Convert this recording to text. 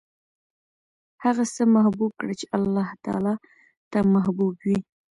هغه څه محبوب کړه چې اللهﷻ ته محبوب وي.